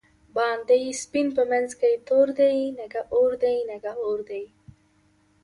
باندی سپین په منځ کی تور دی، نګه اوردی؛ نګه اوردی